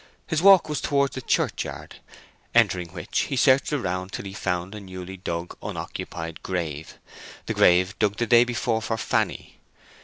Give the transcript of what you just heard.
His walk was towards the churchyard, entering which he searched around till he found a newly dug unoccupied grave—the grave dug the day before for Fanny.